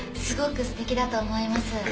すごく素敵だと思います。